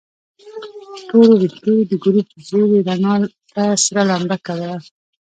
تورو ويښتو يې د ګروپ ژېړې رڼا ته سره لمبه کوله.